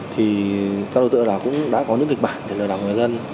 thì các đối tượng đã có những kịch bản để lợi đảm người dân